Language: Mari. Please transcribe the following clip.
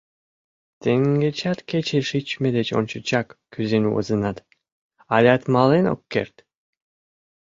Теҥгечат кече шичме деч ончычак кӱзен возынат, алят мален ок керт.